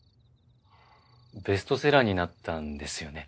ベストセラーになったんですよね。